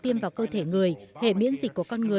thân ái chào tạm biệt